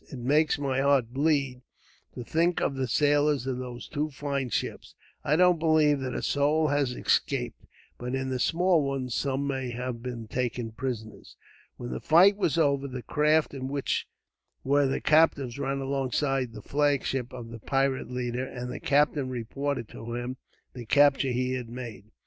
It makes my heart bleed, to think of the sailors of those two fine ships. I don't believe that a soul has escaped; but in the small one, some may have been taken prisoners." When the fight was over, the craft in which were the captives ran alongside the flagship of the pirate leader, and the captain reported to him the capture he had made.